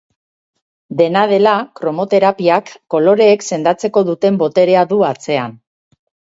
Dena dela, kromoterapiak koloreek sendatzeko duten boterea du atzean.